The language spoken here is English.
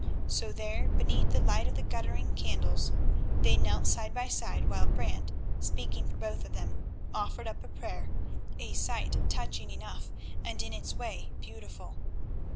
So there, beneath the light of the guttering candles, they knelt side by side while Brant, speaking for both of them, offered up a prayer—a sight touching enough and in its way beautiful.